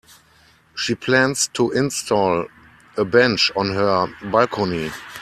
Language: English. She plans to install a bench on her balcony.